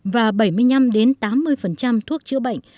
và bảy mươi năm tám mươi thuốc chữa bệnh